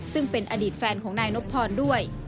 ซึ่งเป็นอดีตแฟนของนายนบพรด้วย